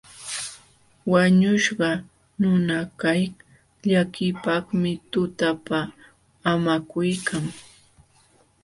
Wañuśhqa nunakaq llakiypaqmi tutapa haamakuykan.